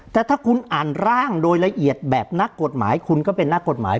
แต่ถ้าคุณอ่านร่างโดยละเอียดแบบนักกฎหมายคุณก็เป็นนักกฎหมาย